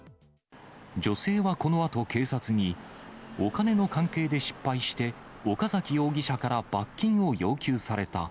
女性はこのあと、警察に、お金の関係で失敗して、岡崎容疑者から罰金を要求された。